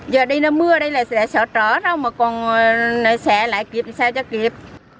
giờ đây nó mưa đây là sẽ trở đâu mà còn sẽ lại kịp sao cho kịp